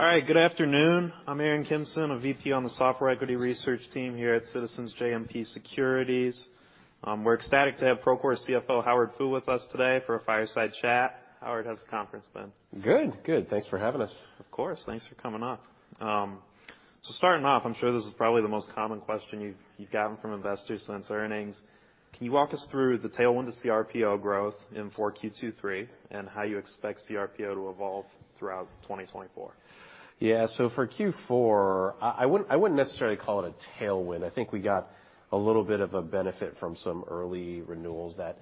All right, good afternoon. I'm Aaron Kimson, a VP on the Software Equity Research team here at Citizens JMP Securities. We're ecstatic to have Procore CFO, Howard Fu, with us today for a fireside chat. Howard, how's the conference been? Good. Good. Thanks for having us. Of course, thanks for coming on. So starting off, I'm sure this is probably the most common question you've gotten from investors since earnings: Can you walk us through the tailwind to CRPO growth in 4Q23, and how you expect CRPO to evolve throughout 2024? Yeah. So for Q4, I wouldn't necessarily call it a tailwind. I think we got a little bit of a benefit from some early renewals that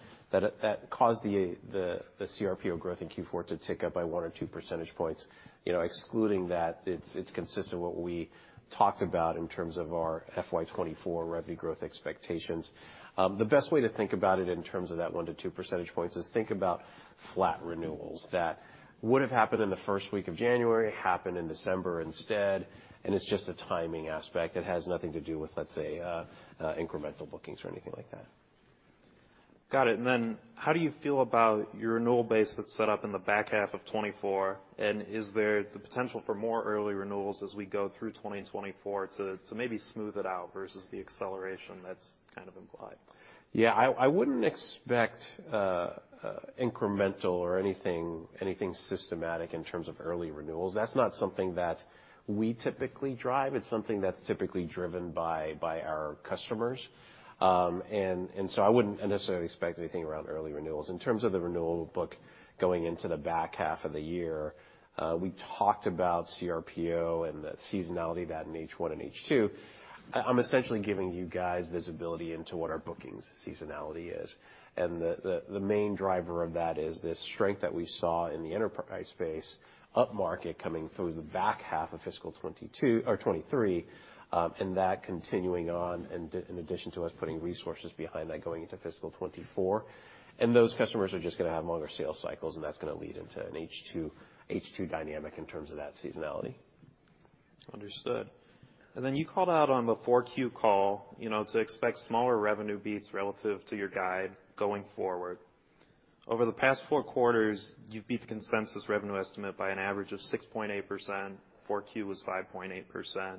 caused the CRPO growth in Q4 to tick up by 1 or 2 percentage points. You know, excluding that, it's consistent what we talked about in terms of our FY 2024 revenue growth expectations. The best way to think about it in terms of that 1-2 percentage points is think about flat renewals that would have happened in the first week of January, happened in December instead, and it's just a timing aspect. It has nothing to do with, let's say, incremental bookings or anything like that. Got it. And then how do you feel about your renewal base that's set up in the back half of 2024? And is there the potential for more early renewals as we go through 2024 to maybe smooth it out versus the acceleration that's kind of implied? Yeah, I wouldn't expect incremental or anything systematic in terms of early renewals. That's not something that we typically drive. It's something that's typically driven by our customers. And so I wouldn't necessarily expect anything around early renewals. In terms of the renewal book going into the back half of the year, we talked about CRPO and the seasonality of that in H1 and H2. I'm essentially giving you guys visibility into what our bookings seasonality is, and the main driver of that is this strength that we saw in the enterprise space, upmarket, coming through the back half of fiscal 2022 or 2023, and that continuing on, and in addition to us putting resources behind that going into fiscal 2024. Those customers are just gonna have longer sales cycles, and that's gonna lead into an H2, H2 dynamic in terms of that seasonality. Understood. Then you called out on the 4Q call, you know, to expect smaller revenue beats relative to your guide going forward. Over the past four quarters, you've beat the consensus revenue estimate by an average of 6.8%, 4Q was 5.8%.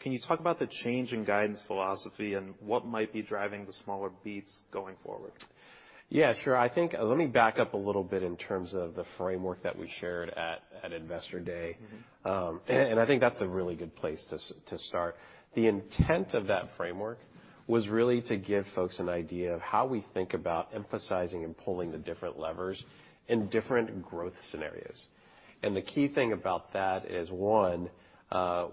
Can you talk about the change in guidance philosophy and what might be driving the smaller beats going forward? Yeah, sure. I think Let me back up a little bit in terms of the framework that we shared at Investor Day. And I think that's a really good place to start. The intent of that framework was really to give folks an idea of how we think about emphasizing and pulling the different levers in different growth scenarios. And the key thing about that is, one,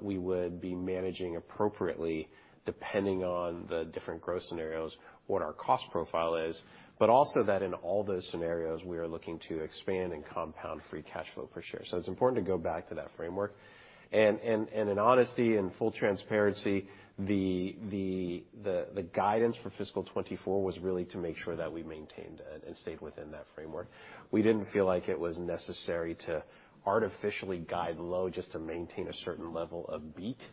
we would be managing appropriately, depending on the different growth scenarios, what our cost profile is, but also that in all those scenarios, we are looking to expand and compound free cash flow per share. So it's important to go back to that framework. And in honesty and full transparency, the guidance for fiscal 2024 was really to make sure that we maintained and stayed within that framework. We didn't feel like it was necessary to artificially guide low just to maintain a certain level of beat.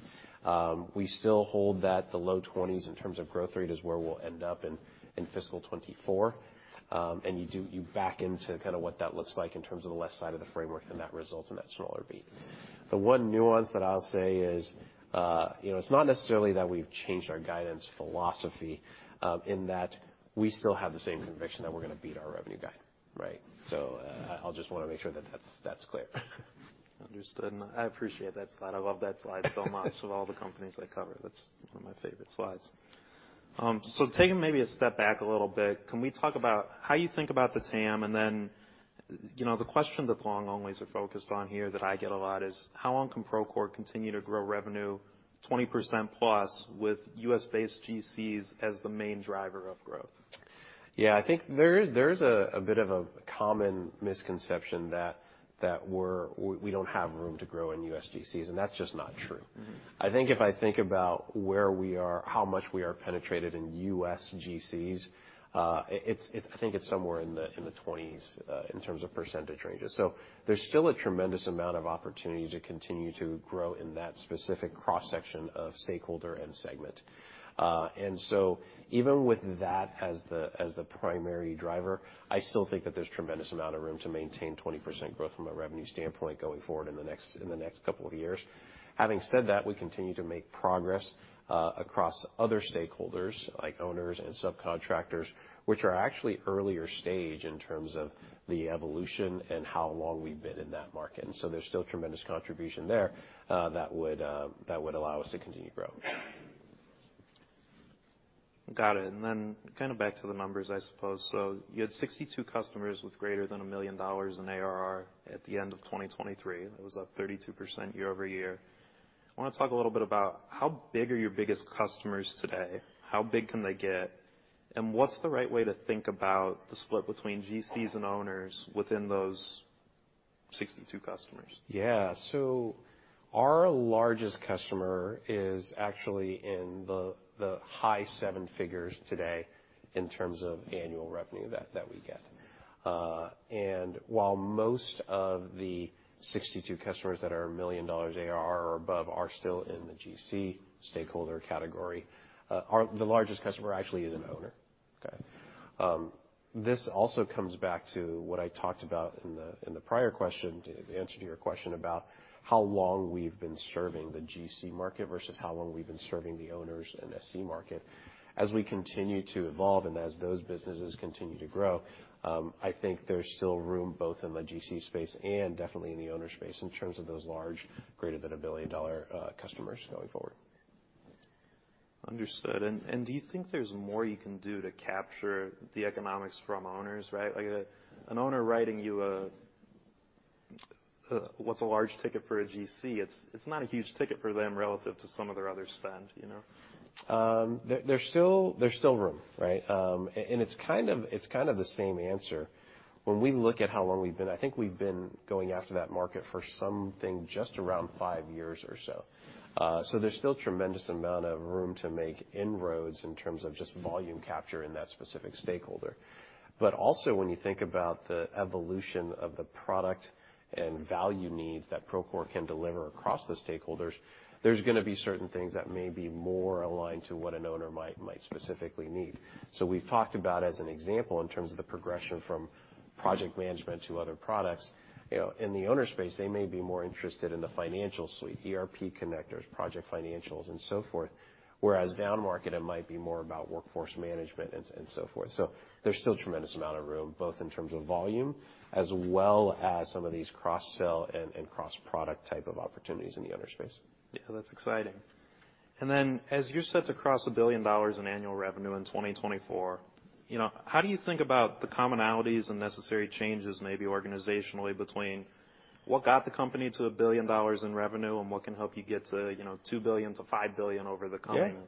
We still hold that the low 20s, in terms of growth rate, is where we'll end up in fiscal 2024. And you back into kind of what that looks like in terms of the left side of the framework, and that results in that smaller beat. The one nuance that I'll say is, you know, it's not necessarily that we've changed our guidance philosophy, in that we still have the same conviction that we're gonna beat our revenue guide, right? So, I just wanna make sure that that's clear. Understood. I appreciate that slide. I love that slide so much with all the companies I cover, that's one of my favorite slides. So taking maybe a step back a little bit, can we talk about how you think about the TAM? And then, you know, the question that long-onlys are focused on here that I get a lot is: How long can Procore continue to grow revenue 20%+ with U.S.-based GCs as the main driver of growth? Yeah, I think there is a bit of a common misconception that we don't have room to grow in US GCs, and that's just not true. I think if I think about where we are, how much we are penetrated in US GCs, it's. I think it's somewhere in the 20s%, in terms of percentage ranges. So there's still a tremendous amount of opportunity to continue to grow in that specific cross-section of stakeholder and segment. And so even with that as the primary driver, I still think that there's tremendous amount of room to maintain 20% growth from a revenue standpoint going forward in the next couple of years. Having said that, we continue to make progress across other stakeholders, like owners and subcontractors, which are actually earlier stage in terms of the evolution and how long we've been in that market, and so there's still tremendous contribution there that would allow us to continue to grow. Got it. Then kind of back to the numbers, I suppose. You had 62 customers with greater than $1 million in ARR at the end of 2023. That was up 32% year-over-year. I wanna talk a little bit about how big are your biggest customers today? How big can they get, and what's the right way to think about the split between GCs and owners within those 62 customers? Yeah. So our largest customer is actually in the high seven figures today in terms of annual revenue that we get. While most of the 62 customers that are a $1 million ARR or above are still in the GC stakeholder category, our largest customer actually is an owner. This also comes back to what I talked about in the prior question, to answer to your question about how long we've been serving the GC market versus how long we've been serving the owners in the SC market. As we continue to evolve and as those businesses continue to grow, I think there's still room both in the GC space and definitely in the owner space in terms of those large, greater than a $1 billion, customers going forward. Understood. And, do you think there's more you can do to capture the economics from owners, right? Like, an owner writing you a, what's a large ticket for a GC, it's not a huge ticket for them relative to some of their other spend, you know? There's still room, right? And it's kind of the same answer. When we look at how long we've been, I think we've been going after that market for something just around five years or so. So there's still tremendous amount of room to make inroads in terms of just volume capture in that specific stakeholder. But also, when you think about the evolution of the product and value needs that Procore can deliver across the stakeholders, there's gonna be certain things that may be more aligned to what an owner might specifically need. So we've talked about, as an example, in terms of the progression from project management to other products, you know, in the owner space, they may be more interested in the financial suite, ERP connectors, project financials, and so forth, whereas downmarket, it might be more about workforce management and so forth. So there's still tremendous amount of room, both in terms of volume as well as some of these cross-sell and cross-product type of opportunities in the owner space. Yeah, that's exciting. And then, as you set to cross $1 billion in annual revenue in 2024, you know, how do you think about the commonalities and necessary changes, maybe organizationally, between what got the company to $1 billion in revenue and what can help you get to, you know, $2 billion-$5 billion over the coming- Yeah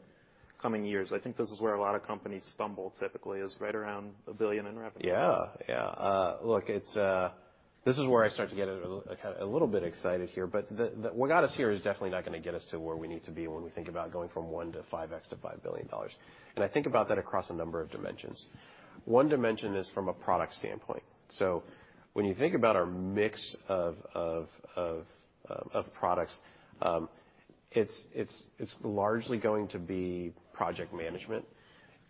coming years? I think this is where a lot of companies stumble, typically, is right around $1 billion in revenue. Yeah. Yeah, look, this is where I start to get kind of a little bit excited here, but the... What got us here is definitely not gonna get us to where we need to be when we think about going from 1 to 5x to $5 billion, and I think about that across a number of dimensions. One dimension is from a product standpoint. So when you think about our mix of products, it's largely going to be project management,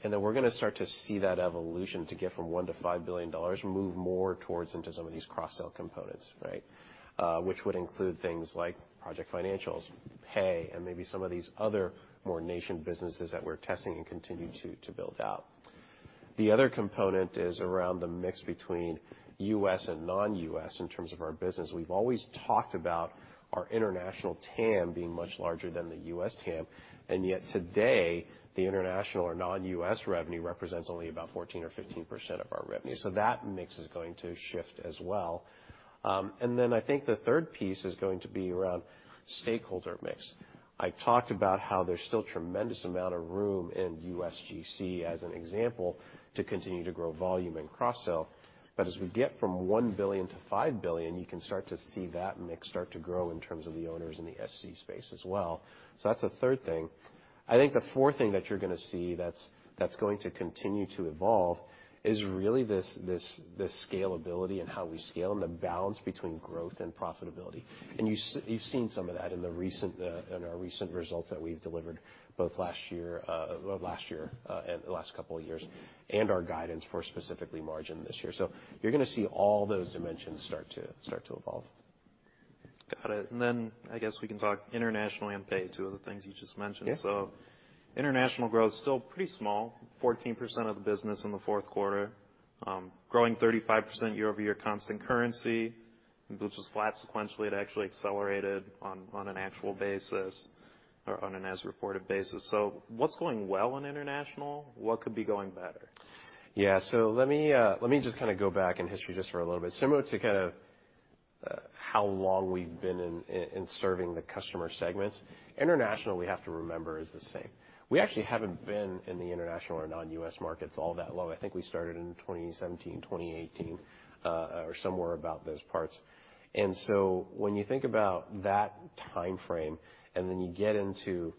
and then we're gonna start to see that evolution to get from 1 to $5 billion move more towards into some of these cross-sell components, right? Which would include things like project financials, Pay, and maybe some of these other more nascent businesses that we're testing and continue to build out. The other component is around the mix between U.S. and non-U.S. in terms of our business. We've always talked about our international TAM being much larger than the U.S. TAM, and yet today, the international or non-U.S. revenue represents only about 14% or 15% of our revenue, so that mix is going to shift as well. And then I think the third piece is going to be around stakeholder mix. I talked about how there's still tremendous amount of room in U.S. GC, as an example, to continue to grow volume and cross-sell. But as we get from $1 billion-$5 billion, you can start to see that mix start to grow in terms of the owners in the SC space as well. So that's the third thing. I think the fourth thing that you're gonna see that's going to continue to evolve is really this scalability and how we scale and the balance between growth and profitability. And you've seen some of that in the recent, in our recent results that we've delivered, both last year, well, last year, and the last couple of years, and our guidance for specifically margin this year. So you're gonna see all those dimensions start to evolve. Got it. And then, I guess we can talk international and pay, two of the things you just mentioned. Yeah. So international growth is still pretty small, 14% of the business in the fourth quarter. Growing 35% year-over-year constant currency, which was flat sequentially. It actually accelerated on an actual basis or on an as-reported basis. So what's going well in international? What could be going better? Yeah, so let me, let me just kind of go back in history just for a little bit. Similar to kind of, how long we've been in, in serving the customer segments, international, we have to remember, is the same. We actually haven't been in the international or non-US markets all that long. I think we started in 2017, 2018, or somewhere about those parts. And so when you think about that timeframe, and then you get into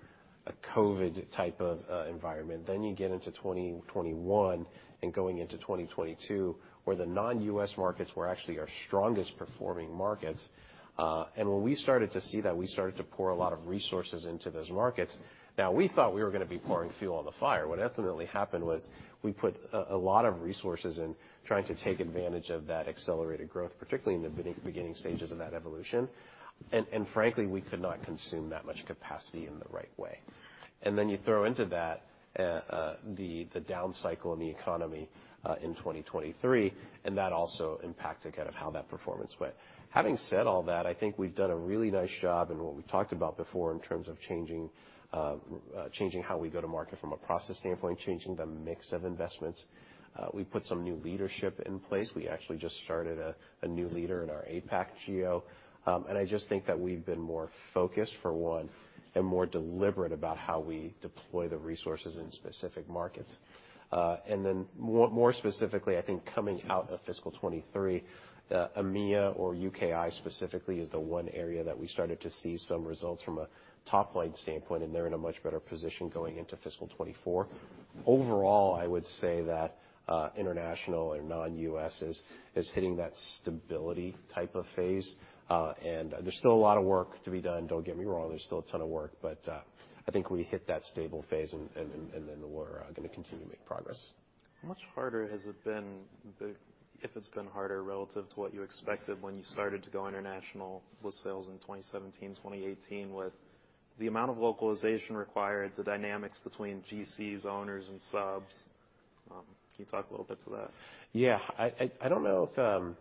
a COVID type of, environment, then you get into 2021 and going into 2022, where the non-US markets were actually our strongest performing markets, and when we started to see that, we started to pour a lot of resources into those markets. Now, we thought we were gonna be pouring fuel on the fire. What ultimately happened was, we put a lot of resources in trying to take advantage of that accelerated growth, particularly in the beginning stages of that evolution. And frankly, we could not consume that much capacity in the right way. And then you throw into that, the down cycle in the economy in 2023, and that also impacted kind of how that performance went. Having said all that, I think we've done a really nice job in what we talked about before in terms of changing how we go to market from a process standpoint, changing the mix of investments. We put some new leadership in place. We actually just started a new leader in our APAC geo. And I just think that we've been more focused, for one, and more deliberate about how we deploy the resources in specific markets. And then more, more specifically, I think coming out of fiscal 2023, EMEA or UKI, specifically, is the one area that we started to see some results from a top-line standpoint, and they're in a much better position going into fiscal 2024. Overall, I would say that international or non-US is hitting that stability type of phase, and there's still a lot of work to be done. Don't get me wrong, there's still a ton of work, but I think we hit that stable phase, and then we're gonna continue to make progress. How much harder has it been, if it's been harder relative to what you expected when you started to go international with sales in 2017, 2018, with the amount of localization required, the dynamics between GCs, owners, and subs? Can you talk a little bit to that? Yeah. I don't know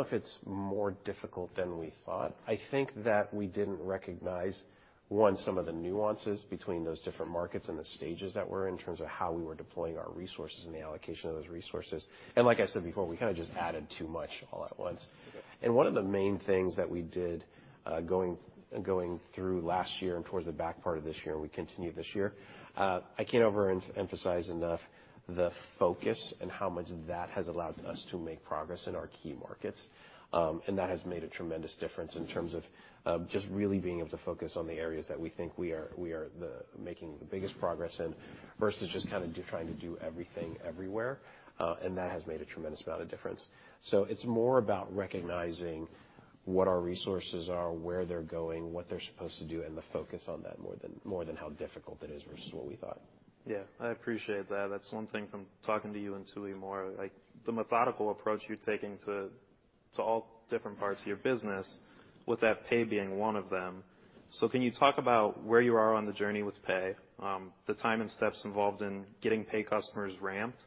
if it's more difficult than we thought. I think that we didn't recognize, one, some of the nuances between those different markets and the stages that we're in, in terms of how we were deploying our resources and the allocation of those resources. And like I said before, we kind of just added too much all at once. And one of the main things that we did, going through last year and towards the back part of this year, and we continue this year, I can't overemphasize enough the focus and how much that has allowed us to make progress in our key markets. And that has made a tremendous difference in terms of just really being able to focus on the areas that we think we are making the biggest progress in, versus just kind of trying to do everything everywhere, and that has made a tremendous amount of difference. So it's more about recognizing what our resources are, where they're going, what they're supposed to do, and the focus on that, more than how difficult it is versus what we thought. Yeah, I appreciate that. That's one thing from talking to you and Tooey more, like the methodical approach you're taking to all different parts of your business, with that pay being one of them. So can you talk about where you are on the journey with pay, the time and steps involved in getting pay customers ramped,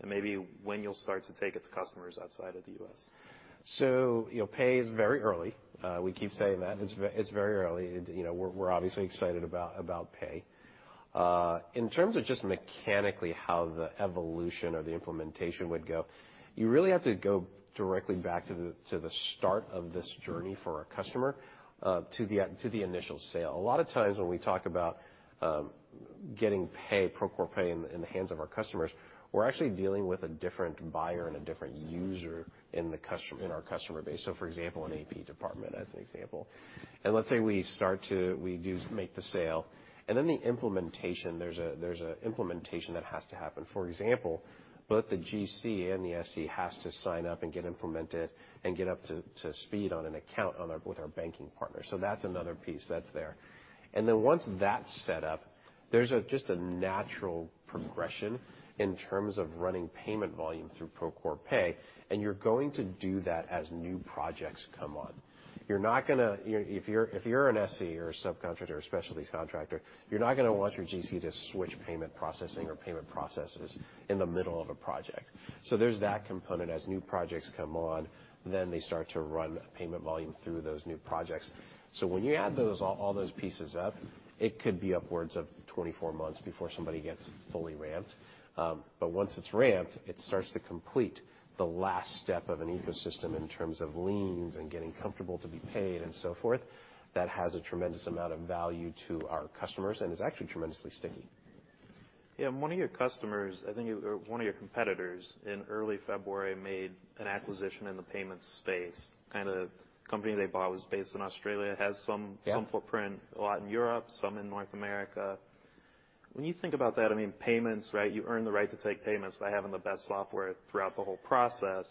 and maybe when you'll start to take it to customers outside of the U.S. So, you know, pay is very early. We keep saying that. It's very early and, you know, we're obviously excited about pay. In terms of just mechanically how the evolution or the implementation would go, you really have to go directly back to the start of this journey for our customer, to the initial sale. A lot of times when we talk about getting pay, Procore Pay in the hands of our customers, we're actually dealing with a different buyer and a different user in our customer base, so for example, an AP department, as an example. And let's say we start to. We do make the sale, and then the implementation. There's an implementation that has to happen. For example, both the GC and the SC has to sign up and get implemented and get up to speed on an account with our banking partner. So that's another piece that's there. And then once that's set up, there's just a natural progression in terms of running payment volume through Procore Pay, and you're going to do that as new projects come on. You're not gonna, you know, if you're an SC or a subcontractor or a specialty contractor, you're not gonna want your GC to switch payment processing or payment processes in the middle of a project. So there's that component. As new projects come on, then they start to run payment volume through those new projects. So when you add all those pieces up, it could be upwards of 24 months before somebody gets fully ramped. But once it's ramped, it starts to complete the last step of an ecosystem in terms of liens and getting comfortable to be paid and so forth. That has a tremendous amount of value to our customers and is actually tremendously sticky. Yeah, one of your customers, I think, or one of your competitors, in early February, made an acquisition in the payments space. Kind of the company they bought was based in Australia, has some, Yeah some footprint, a lot in Europe, some in North America. When you think about that, I mean, payments, right? You earn the right to take payments by having the best software throughout the whole process.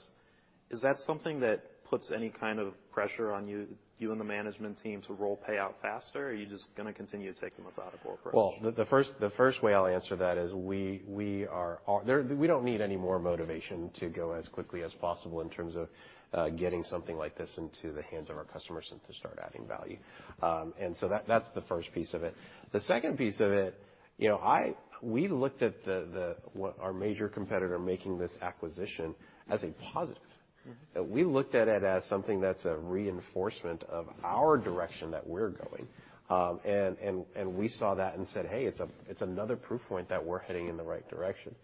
Is that something that puts any kind of pressure on you, you and the management team, to roll pay out faster, or are you just gonna continue to take the methodical approach? Well, the first way I'll answer that is we are. We don't need any more motivation to go as quickly as possible in terms of getting something like this into the hands of our customers and to start adding value. And so that's the first piece of it. The second piece of it, you know, we looked at the what our major competitor making this acquisition as a positive. We looked at it as something that's a reinforcement of our direction that we're going. We saw that and said, "Hey, it's another proof point that we're heading in the right direction."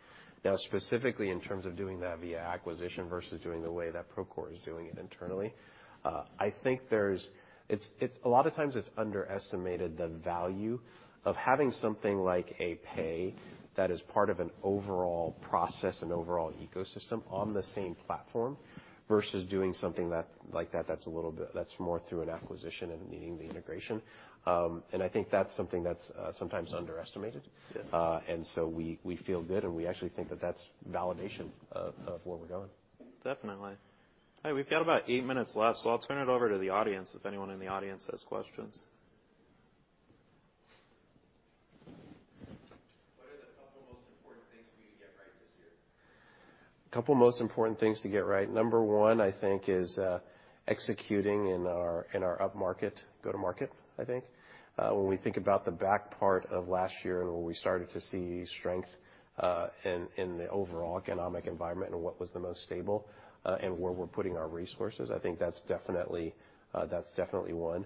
Now, specifically, in terms of doing that via acquisition versus doing the way that Procore is doing it internally, I think there's... It's a lot of times it's underestimated the value of having something like a pay that is part of an overall process and overall ecosystem on the same platform, versus doing something like that that's a little bit more through an acquisition and needing the integration. And I think that's something that's sometimes underestimated. Yeah. And so we feel good, and we actually think that that's validation of where we're going. Definitely. Hey, we've got about 8 minutes left, so I'll turn it over to the audience, if anyone in the audience has questions. What are the couple of most important things for you to get right this year? Couple of the most important things to get right: number one, I think, is executing in our upmarket go-to-market, I think. When we think about the back part of last year and where we started to see strength in the overall economic environment and what was the most stable and where we're putting our resources, I think that's definitely one.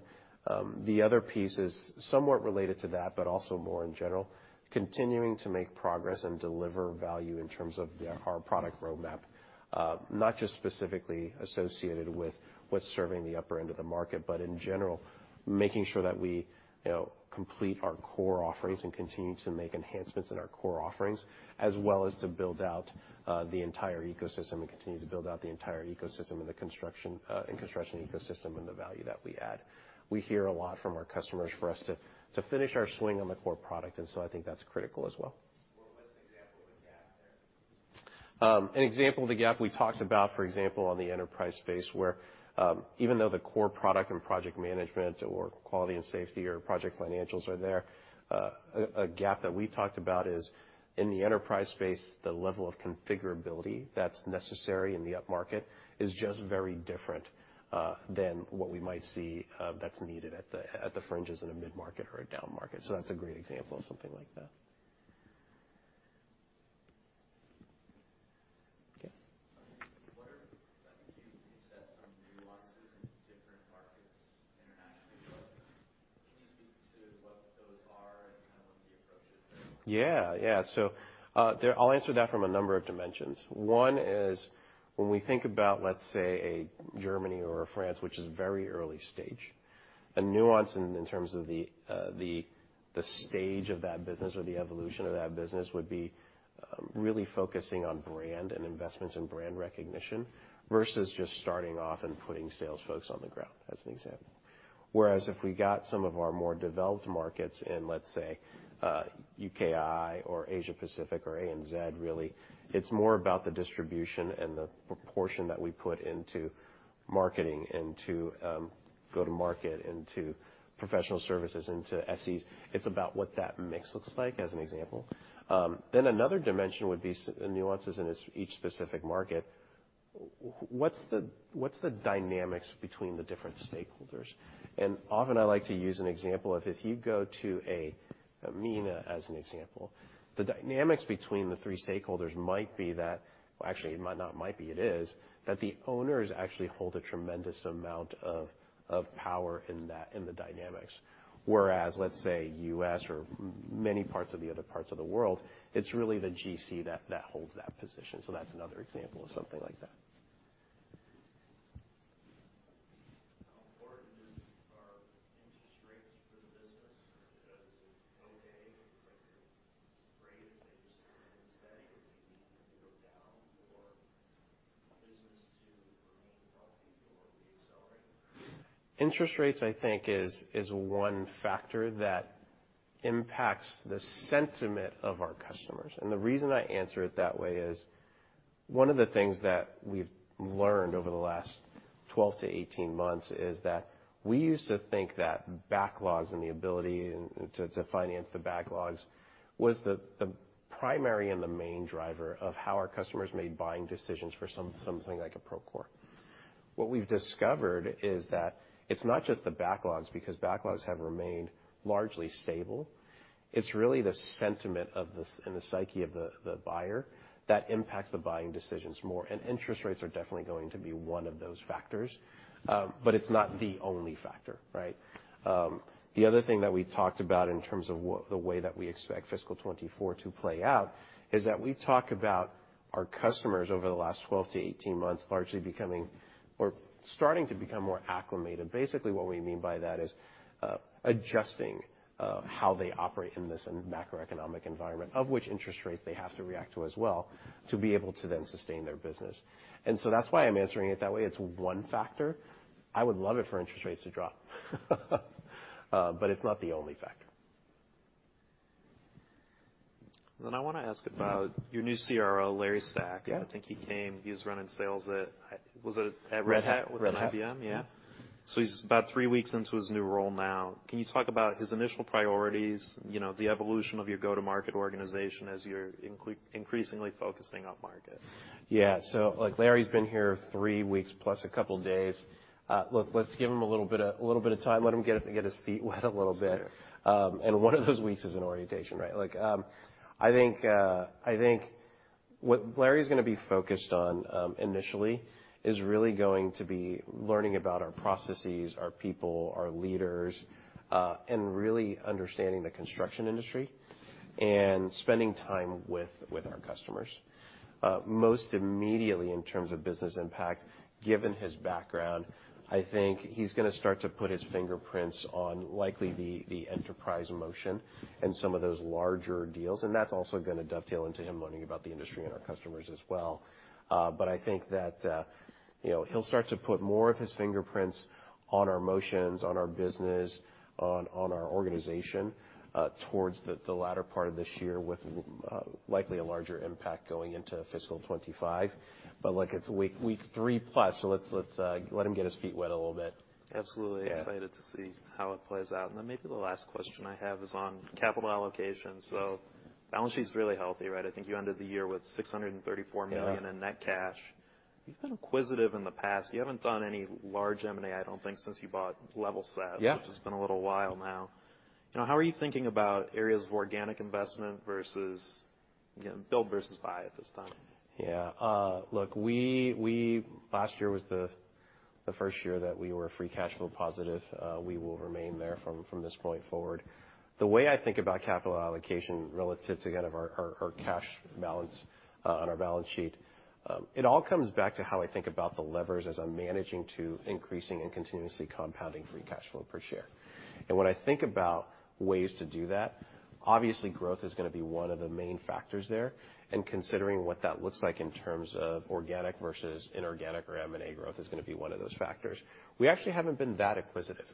The other piece is somewhat related to that, but also more in general, continuing to make progress and deliver value in terms of our product roadmap. Not just specifically associated with what's serving the upper end of the market, but in general, making sure that we, you know, complete our core offerings and continue to make enhancements in our core offerings, as well as to build out the entire ecosystem and continue to build out the entire ecosystem and the construction and construction ecosystem and the value that we add. We hear a lot from our customers for us to finish our swing on the core product, and so I think that's critical as well. What, what's an example of a gap there? An example of the gap we talked about, for example, on the enterprise space, where even though the core product and Project Management or Quality and Safety or Project Financials are there, a gap that we talked about is in the enterprise space, the level of configurability that's necessary in the upmarket is just very different than what we might see that's needed at the fringes in a mid-market or a downmarket. So that's a great example of something like that. Okay. I think you looked at some nuances in different markets internationally. Can you speak to what those are and kind of what the approach is there? Yeah, yeah. So, there. I'll answer that from a number of dimensions. One is, when we think about, let's say, Germany or France, which is very early stage, a nuance in terms of the stage of that business or the evolution of that business would be really focusing on brand and investments in brand recognition versus just starting off and putting sales folks on the ground, as an example. Whereas if we got some of our more developed markets in, let's say, UKI or Asia Pacific or ANZ, really, it's more about the distribution and the proportion that we put into marketing and to go-to-market, into professional services, into SEs. It's about what that mix looks like, as an example. Then another dimension would be nuances in each specific market. What's the, what's the dynamics between the different stakeholders? And often I like to use an example of, if you go to a MENA, as an example, the dynamics between the three stakeholders might be that actually, it might not, might be, it is, that the owners actually hold a tremendous amount of, of power in that, in the dynamics. Whereas, let's say, US or many parts of the other parts of the world, it's really the GC that, that holds that position. So that's another example of something like that. How important are interest rates for the business? Are rates just steady, or do you need them to go down for the business to remain healthy or reaccelerate? Interest rates, I think, is one factor that impacts the sentiment of our customers. And the reason I answer it that way is, one of the things that we've learned over the last 12-18 months is that we used to think that backlogs and the ability to finance the backlogs was the primary and the main driver of how our customers made buying decisions for something like a Procore. What we've discovered is that it's not just the backlogs, because backlogs have remained largely stable. It's really the sentiment of the buyer and the psyche of the buyer that impacts the buying decisions more, and interest rates are definitely going to be one of those factors. But it's not the only factor, right? The other thing that we talked about in terms of what, the way that we expect fiscal 2024 to play out, is that we talk about our customers over the last 12-18 months, largely becoming or starting to become more acclimated. Basically, what we mean by that is, adjusting, how they operate in this macroeconomic environment, of which interest rates they have to react to as well, to be able to then sustain their business. And so that's why I'm answering it that way. It's one factor. I would love it for interest rates to drop, but it's not the only factor. I want to ask about your new CRO, Larry Stack. Yeah. I think he came, he was running sales at, was it at Red Hat? Red Hat. With IBM, yeah. So he's about three weeks into his new role now. Can you talk about his initial priorities, you know, the evolution of your go-to-market organization as you're increasingly focusing on market? Yeah. So, look, Larry's been here three weeks plus a couple of days. Look, let's give him a little bit of time. Let him get his feet wet a little bit. And one of those weeks is an orientation, right? Like, I think, I think what Larry is gonna be focused on, initially, is really going to be learning about our processes, our people, our leaders, and really understanding the construction industry and spending time with our customers. Most immediately, in terms of business impact, given his background, I think he's gonna start to put his fingerprints on likely the enterprise motion and some of those larger deals, and that's also gonna dovetail into him learning about the industry and our customers as well. But I think that, you know, he'll start to put more of his fingerprints on our motions, on our business, on our organization, towards the latter part of this year, with likely a larger impact going into fiscal 2025. Look, it's week three plus, so let's let him get his feet wet a little bit. Absolutely. Yeah. Excited to see how it plays out. And then maybe the last question I have is on capital allocation. So balance sheet's really healthy, right? I think you ended the year with $634 million- Yeah in net cash. You've been inquisitive in the past. You haven't done any large M&A, I don't think, since you bought Levelset- Yeah which has been a little while now. You know, how are you thinking about areas of organic investment versus, you know, build versus buy at this time? Yeah, look, we last year was the first year that we were free cash flow positive. We will remain there from this point forward. The way I think about capital allocation relative to kind of our cash balance on our balance sheet, it all comes back to how I think about the levers as I'm managing to increasing and continuously compounding free cash flow per share. And when I think about ways to do that, obviously, growth is gonna be one of the main factors there, and considering what that looks like in terms of organic versus inorganic or M&A growth, is gonna be one of those factors. We actually haven't been that acquisitive.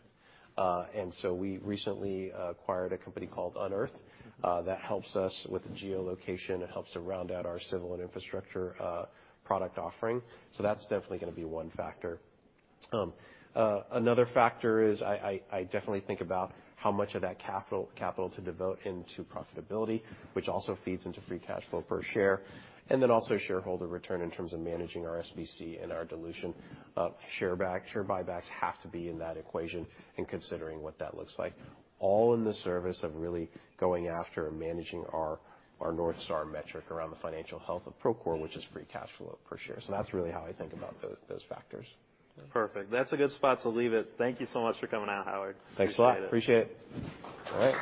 And so we recently acquired a company called Unearth that helps us with geolocation. It helps to round out our civil and infrastructure product offering. So that's definitely gonna be one factor. Another factor is I definitely think about how much of that capital to devote into profitability, which also feeds into free cash flow per share, and then also shareholder return in terms of managing our SBC and our dilution. Share buybacks have to be in that equation and considering what that looks like, all in the service of really going after and managing our North Star metric around the financial health of Procore, which is free cash flow per share. So that's really how I think about those factors. Perfect. That's a good spot to leave it. Thank you so much for coming out, Howard. Thanks a lot. Appreciate it. All right.